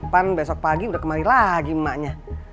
pan besok pagi udah kembali lagi emaknya